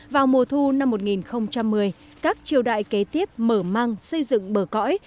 vào mùa thu năm hai nghìn một mươi các triều đại kế tiếp mở măng xây dựng bờ cõi